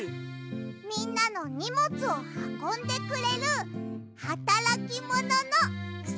みんなのにもつをはこんでくれるはたらきもののクシャさん！